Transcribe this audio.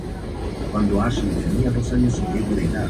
La mascota de los equipos se llama "Sparky D. Dragon".